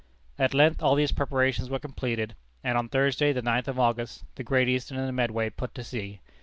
At length all these preparations were completed, and on Thursday, the 9th of August, the Great Eastern and the Medway put to sea.